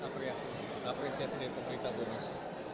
apresiasi dari pemerintah bonus